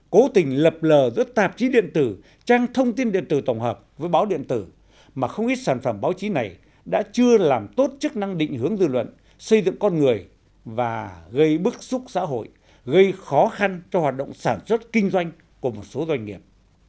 cố tình lập lờ giữa tạp chí điện tử trang thông tin điện tử tổng hợp với báo điện tử mà không ít sản phẩm báo chí này đã chưa làm tốt chức năng định hướng dư luận xây dựng con người và gây bức xúc xã hội gây khó khăn cho hoạt động sản xuất kinh doanh của một số doanh nghiệp